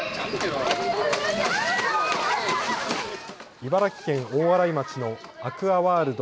茨城県大洗町のアクアワールド